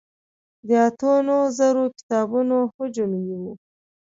د اتو نهو زرو کتابو حجم یې و.